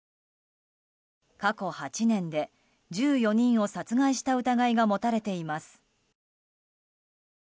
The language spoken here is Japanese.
過去８年で１４人を殺害した疑いが持たれています。